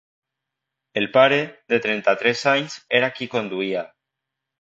El pare, de trenta-tres anys, era qui conduïa.